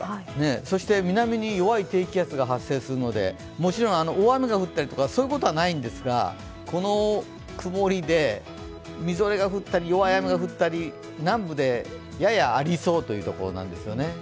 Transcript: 南に弱い低気圧が発生するので、もちろん大雨が降ったりということはないんですがこの曇りで、みぞれが降ったり、弱い雨が降ったり南部でややありそうというところなんですよね。